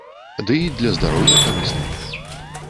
Дый для здароўя карысна.